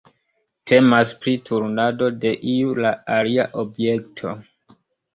Temas pri turnado de "iu la alia" objekto.